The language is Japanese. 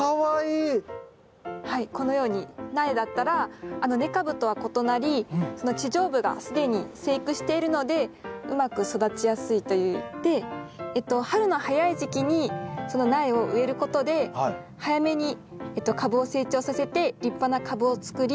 このように苗だったら根株とは異なりその地上部が既に生育しているのでうまく育ちやすいという。で春の早い時期にその苗を植えることで早めに株を成長させて立派な株を作り